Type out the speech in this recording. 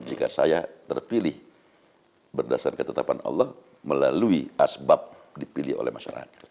jika saya terpilih berdasarkan ketetapan allah melalui asbab dipilih oleh masyarakat